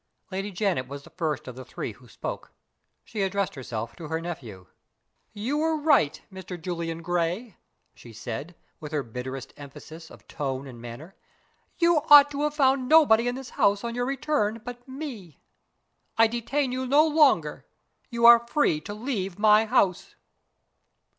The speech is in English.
Lady Janet was the first of the three who spoke. She addressed herself to her nephew. "You were right, Mr. Julian Gray," she said, with her bitterest emphasis of tone and manner. "You ought to have found nobody in this room on your return but me. I detain you no longer. You are free to leave my house."